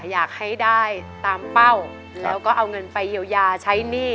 อยากให้ได้ตามเป้าแล้วก็เอาเงินไปเยียวยาใช้หนี้